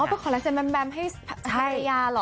ไปขอลายเซ็นแมมให้ภรรยาเหรอ